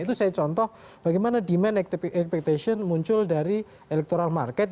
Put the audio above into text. itu saya contoh bagaimana demand expectation muncul dari electoral market